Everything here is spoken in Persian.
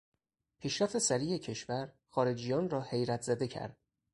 پیشرفت سریع کشور، خارجیان را حیرت زده کرد.